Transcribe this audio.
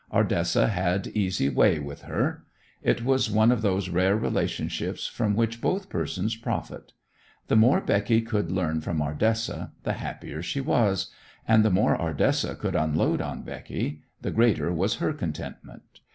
Ardessa had easy way with her. It was one of those rare relationships from which both persons profit. The more Becky could learn from Ardessa, the happier she was; and the more Ardessa could unload on Becky, the greater was her contentment.